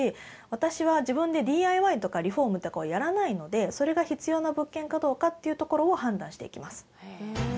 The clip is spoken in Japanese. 私は自分でＤＩＹとかリフォームとかをやらないのでそれが必要な物件かどうかっていうところを判断していきます。